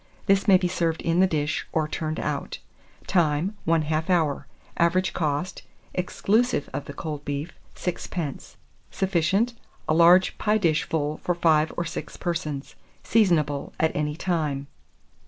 This may be served in the dish, or turned out. Time. 1/2 hour. Average cost, exclusive of the cold beef, 6d. Sufficient. A large pie dish full for 5 or 6 persons. Seasonable at any time.